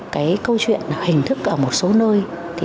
cái câu chuyện hình thức ở một số nơi